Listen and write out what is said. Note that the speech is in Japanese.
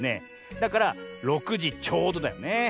だから６じちょうどだよね。